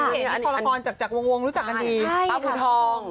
อันนี้คนละครจากวงรู้จักกันดีป้าผู้ทอง